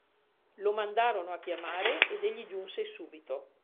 Lo mandarono a chiamare, ed egli giunse subito.